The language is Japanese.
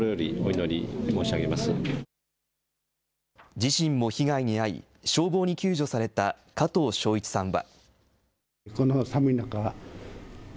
自身も被害に遭い、消防に救助された加藤省一さんは。